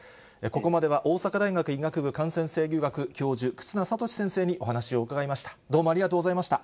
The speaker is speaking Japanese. ここまでは大阪大学医学部感染制御学教授、忽那賢志先生にお話をお伺いしました。